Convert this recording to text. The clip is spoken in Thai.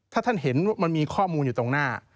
ถ้าท่านเห็นมันมีข้อมูลอยู่ตรงหน้า